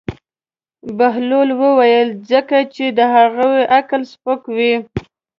بهلول وویل: ځکه چې د هغوی عقل سپک وي.